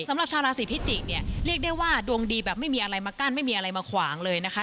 สำหรับชาวราศีพิจิกเนี่ยเรียกได้ว่าดวงดีแบบไม่มีอะไรมากั้นไม่มีอะไรมาขวางเลยนะคะ